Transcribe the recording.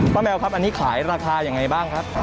แมวครับอันนี้ขายราคายังไงบ้างครับ